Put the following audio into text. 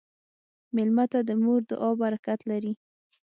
مېلمه ته د مور دعا برکت لري.